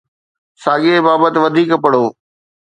ساڳئي بابت وڌيڪ پڙهو